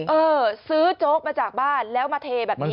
เออซื้อโจ๊กมาจากบ้านแล้วมาเทแบบนี้